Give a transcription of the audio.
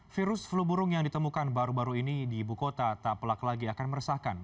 virus flu burung yang ditemukan baru baru ini di ibu kota tak pelak lagi akan meresahkan